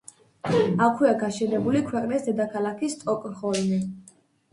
აქვეა გაშენებული ქვეყნის დედაქალაქი სტოკჰოლმი.